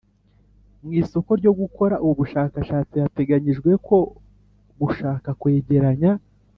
Mu isoko ryo gukora ubu bushakashatsi hateganyijwe ko gushaka kwegeranya